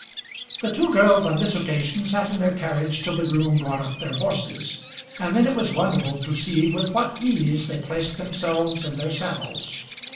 The two girls on this occasion sat in their carriage till the groom brought up their horses, and then it was wonderful to see with what ease they placed themselves in their saddles.